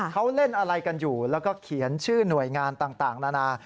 เขาเล่นอะไรกันอยู่แล้วก็เขียนชื่อหน่วยงานต่างนานา